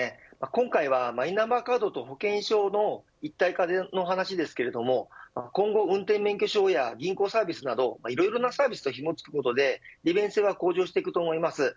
今回はマイナンバーカードと保険証の一体化の話ですが今後、運転免許証や銀行サービスなどいろいろなサービスとひも付けることで利便性が向上します。